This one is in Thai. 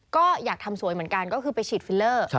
ก็อยากทำสวยเหมือนกันก็คือไปฉีดฟิลเลอร์